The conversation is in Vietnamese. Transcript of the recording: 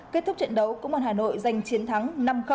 kết thúc trận đấu công an hà nội giành chiến thắng năm